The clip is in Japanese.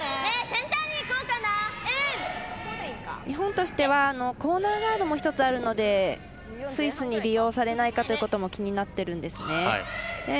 日本としてはコーナーガードも１つあるのでスイスに利用されないかということも気になってるんですね。